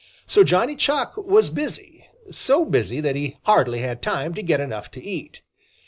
So Johnny Chuck was busy, so busy that he hardly had time to get enough to eat.